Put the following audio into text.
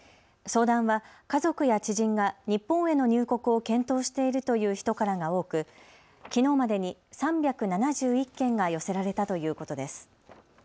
相談は家族や知人が日本への入国を検討しているという人からが多くきのうまでに３７１件が寄せられたということです。